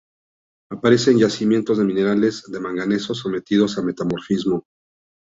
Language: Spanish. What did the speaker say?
Aparece en yacimientos de minerales de manganeso sometidos a metamorfismo.